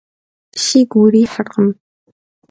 Sigu yirıhırkhım.